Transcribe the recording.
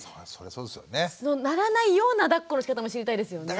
そうならないようなだっこのしかたも知りたいですよね。